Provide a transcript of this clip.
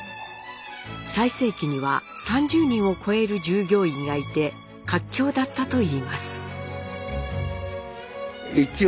最盛期には３０人を超える従業員がいて活況だったといいます。